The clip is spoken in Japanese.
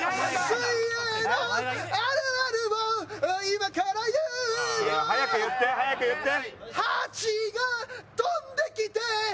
「水泳のあるあるを今から言うよ」早く言って早く言って。